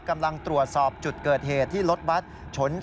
กำลังตรวจสอบจุดเกิดเหตุที่รถบัตรชน